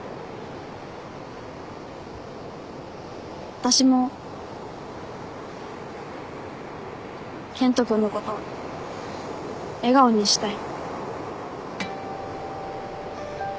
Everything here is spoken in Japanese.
私も健人君のこと笑顔にしたい。